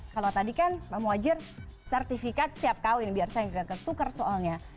kalau tadi kan pak muwajir sertifikat siap kawin biar saya nggak ketukar soalnya